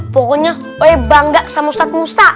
pokoknya bangga sama ustadz musa